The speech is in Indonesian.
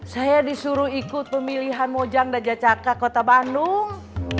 saya disuruh ikut pemilihan mojang dan jaca kota bandung